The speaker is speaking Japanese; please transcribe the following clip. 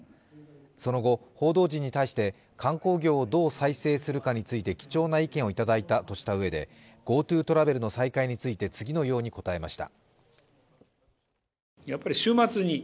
その後、報道陣に対して観光業をどう再生するかについて貴重な意見をいただいたとしたうえでＧｏＴｏトラベルの再開について次のように答えました。